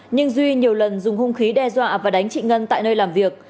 nhưng duy nhiều lần dùng hung khí đe dọa và đánh chị ngân tại nơi làm việc